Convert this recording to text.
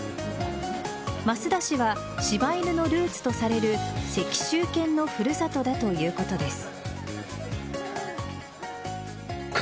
益田市は柴犬のルーツとされる石州犬の古里だということです。